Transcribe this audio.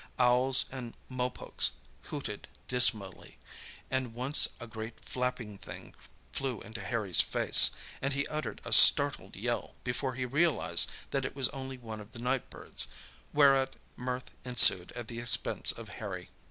Owls and mopokes hooted dismally, and once a great flapping thing flew into Harry's face, and he uttered a startled yell before he realised that it was only one of the night birds—whereat mirth ensued at the expense of Harry.